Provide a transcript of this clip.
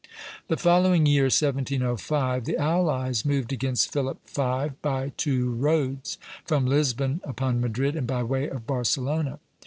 The following year, 1705, the allies moved against Philip V. by two roads, from Lisbon upon Madrid, and by way of Barcelona.